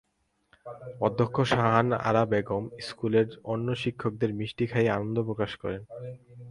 অধ্যক্ষ শাহান আরা বেগম স্কুলের অন্য শিক্ষকদের মিষ্টি খাইয়ে আনন্দ প্রকাশ করেন।